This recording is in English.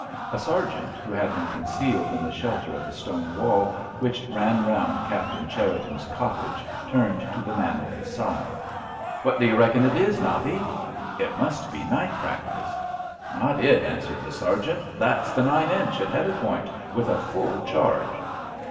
A Sergeant, who had been concealed in the shelter of a stone wall which ran round Captain Cherriton's cottage, turned to the man at his side. "What d'you reckon it is, Nobby?" "It must be night practice." "Not it," answered the Sergeant, "that's the 'nine inch' at Heatherpoint, with a full charge!"